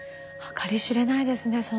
計り知れないですね